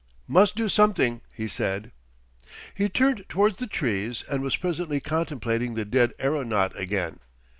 "Mus' do something," he said. He turned towards the trees, and was presently contemplating the dead aeronaut again.